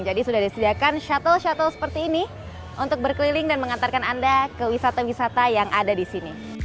jadi sudah disediakan shuttle shuttle seperti ini untuk berkeliling dan mengantarkan anda ke wisata wisata yang ada di sini